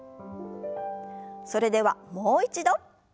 それではもう一度。